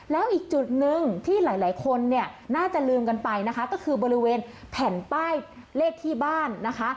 แล้วอีกจุดหนึ่งที่หลายคนเนี่ยน่าจะลืมกันไปนะคะก็คือบริเวณแผ่นป้ายเลขที่บ้านนะคะ